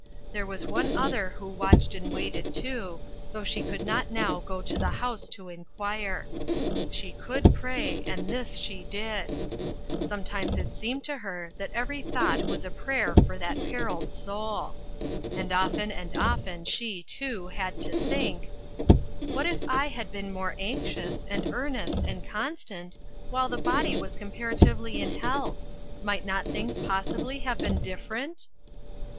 There was one other who watched and waited, too, though she could not now go to the house to inquire. She could pray ; and this she did. Sometimes it seemed to her that every thought was a prayer for 398 INTERRUPTED. that periled soul. And often and often she, too, had to think :" What if I had been more anxious, and earnest, and constant, while the body was comparatively in health might not things possibly have been different